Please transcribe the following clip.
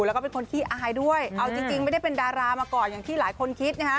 แล้วก็เป็นคนขี้อายด้วยเอาจริงไม่ได้เป็นดารามาก่อนอย่างที่หลายคนคิดนะฮะ